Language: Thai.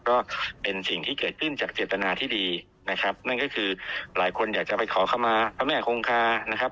ก็เป็นสิ่งที่เกิดขึ้นจากเจตนาที่ดีนะครับนั่นก็คือหลายคนอยากจะไปขอเข้ามาพระแม่คงคานะครับ